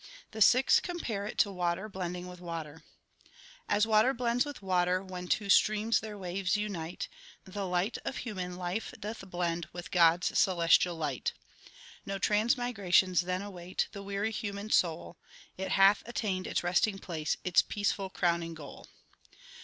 The Sikhs compare it to water blending with water: As water blends with water, when Two streams their waves unite, The light of human life doth blend With God s celestial light. No transmigrations then await The weary human soul ; It hath attained its resting place, Its peaceful crowning goal.